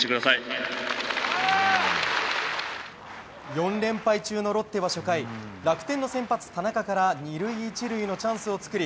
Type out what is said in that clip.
４連敗中のロッテは初回楽天の先発、田中から２塁１塁のチャンスを作り